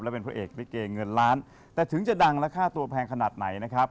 แต่ถึงจะดั่งแล้วค่าตัวแพงขนาดไหนนะครับ